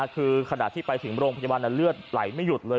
คือขณะที่ไปถึงโรงพยาบาลเลือดไหลไม่หยุดเลย